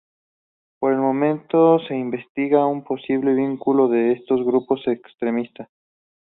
Por el momento se investiga un posible vínculo de este con grupos extremistas.